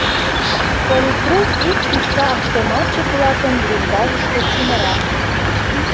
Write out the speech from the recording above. Политрук ик тӱшка автоматчик-влакым блиндажышке чумыра.